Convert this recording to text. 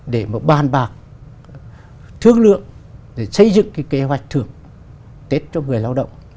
để mà bàn bạc thương lượng để xây dựng cái kế hoạch thưởng tết cho người lao động